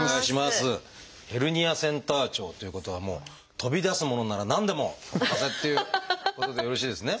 ヘルニアセンター長ということはもう飛び出すものなら何でもお任せっていうことでよろしいですね？